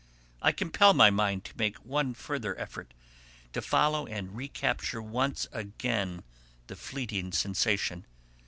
I compel my mind to make one further effort, to follow and recapture once again the fleeting sensation.